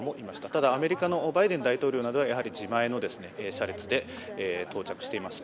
ただ、アメリカのバイデン大統領などは、やはり自前の車列で到着しています。